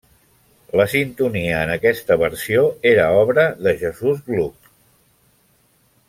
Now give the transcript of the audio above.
La sintonia en aquesta versió era obra de Jesús Gluck.